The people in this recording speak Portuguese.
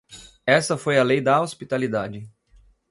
Essa foi a lei da hospitalidade.